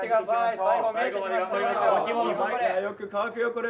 よく乾くよこれ。